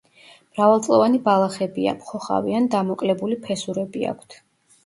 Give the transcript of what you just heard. მრავალწლოვანი ბალახებია, მხოხავი ან დამოკლებული ფესურები აქვთ.